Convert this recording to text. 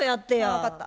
分かった。